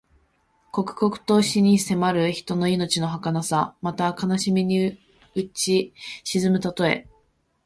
刻々と死に迫る人の命のはかなさ。また、悲しみにうち沈むたとえ。